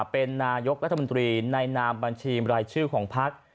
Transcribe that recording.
เป็นนายกรัฐมนตรีในนามบัญชีรายชื่อของพัก